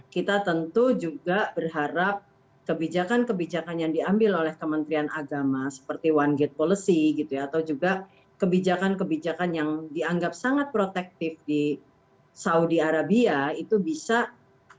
kita tentu juga berharap kebijakan kebijakan yang diambil oleh kementerian agama seperti one gate policy gitu ya atau juga kebijakan kebijakan yang dianggap sangat protektif di saudi arabia itu bisa dilakukan